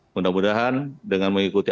mudah mudahan dengan mengikuti